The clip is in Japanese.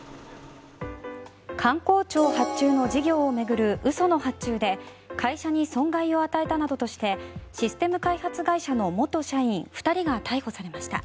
観光庁発注の事業を巡る嘘の発注で会社に損害を与えたなどとしてシステム開発会社の元社員２人が逮捕されました。